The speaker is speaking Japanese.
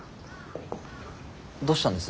どうしたんです？